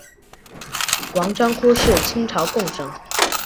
王章枯是清朝贡生。